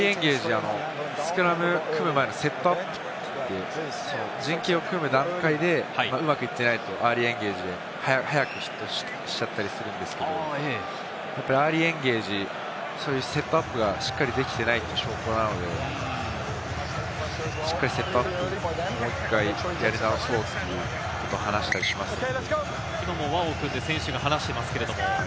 スクラム組む前のセットアップって陣形を組む段階でうまくいっていないと、アーリーエンゲージで早くヒットしちゃったりするんですけれども、やっぱりアーリーエンゲージ、セットアップがしっかりできていないという証拠なので、しっかりセットアップ、もう１回やり直そうというのを話したりしますね。